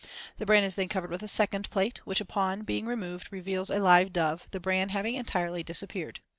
The bran is then covered with a second plate, which on being removed reveals a live dove, the bran having entirely disappeared.